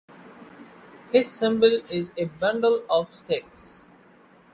His symbol is a bundle of sticks.